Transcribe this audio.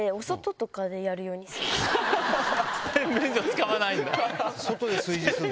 洗面所使わないんだ。